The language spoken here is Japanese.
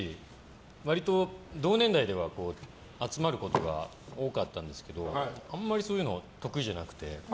割と同年代では集まることが多かったんですけどあんまりそういうの得意じゃなくて。